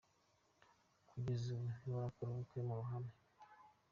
Kugeza ubu ntibarakora ubukwe mu ruhame.